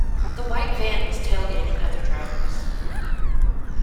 The white van was tailgating other drivers.